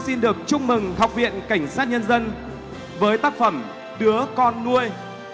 xin được chúc mừng công an thành phố học viện cảnh sát nhân dân với tác phẩm đứa con nuôi